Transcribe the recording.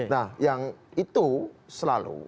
nah yang itu selalu